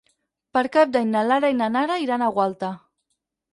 Per Cap d'Any na Lara i na Nara iran a Gualta.